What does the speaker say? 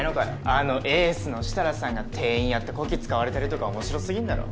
あのエースの設楽さんが店員やってこき使われてるとか面白すぎんだろ。